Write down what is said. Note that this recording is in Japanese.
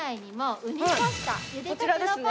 こちらですね。